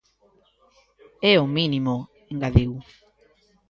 É o mínimo, engadiu.